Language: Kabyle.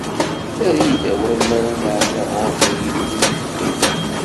Err-iyi-d awal mi ara n-ɛenniɣ ɣur-k, ay Illu n lḥeqq-iw.